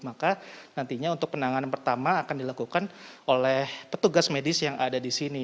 maka nantinya untuk penanganan pertama akan dilakukan oleh petugas medis yang ada di sini